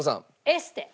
エステ。